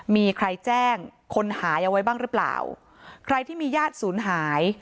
มีใครแจ้งคนหายเอาไว้บ้างหรือเปล่าใครที่มีญาติศูนย์หาย